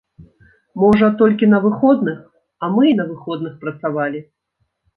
Можа, толькі на выходных, а мы і на выходных працавалі.